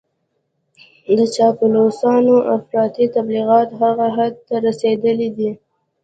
د چاپلوسانو افراطي تبليغات هغه حد ته رسېدلي دي.